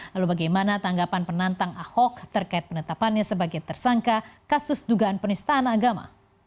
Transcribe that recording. lalu bagaimana tanggapan penantang ahok terkait penetapannya sebagai tersangka kasus dugaan penistaan agama